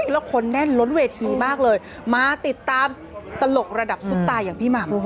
แล้วคนแน่นล้นเวทีมากเลยมาติดตามตลกระดับซุปตาอย่างพี่หม่ำ